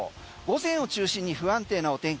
午前を中心に不安定なお天気。